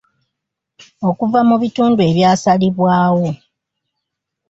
Okuva mu bitundu ebyasalibwawo.